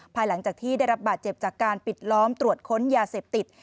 ภายหลังจากที่ได้รับบาดเจ็บจากการปิดล้อมตรวจค้นยาเสพติด